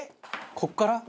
ここから」